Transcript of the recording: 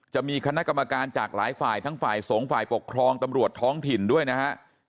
จะมีคณะกรรมการจากหลายฝ่ายทั้งฝ่ายสงฆ์ฝ่ายปกครองตำรวจท้องถิ่นด้วยนะฮะ